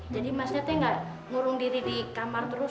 jadi masnya teh gak ngurung diri di kamar terus